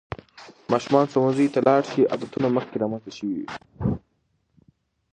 ماشومان ښوونځي ته لاړ شي، عادتونه مخکې رامنځته شوي وي.